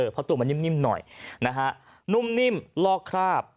เพราะตัวมันนิ่มหน่อยนะฮะนุ่มนิ่มลอกคราบ